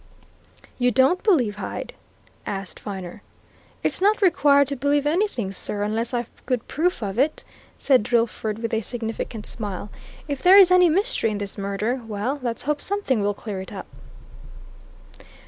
"You don't believe Hyde?" asked Viner. "I'm not required to believe anything, sir, unless I've good proof of it," said Drillford with a significant smile. "If there is any mystery in this murder, well let's hope something will clear it up."